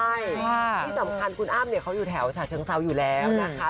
ใช่ที่สำคัญคุณอ้ำเนี่ยเขาอยู่แถวฉะเชิงเซาอยู่แล้วนะคะ